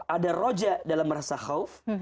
ada roja dalam merasa khawf